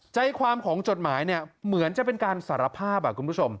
ใจความของจดหมายเนี่ยเหมือนจะเป็นการสารภาพคุณผู้ชม